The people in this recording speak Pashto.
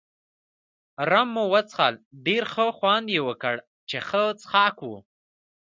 رم مو وڅښل، ډېر ښه خوند يې وکړ، چې ښه څښاک وو.